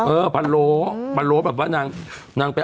เออบ้านนางนางลาก่อนไปนี่ไปนั่งน้องไป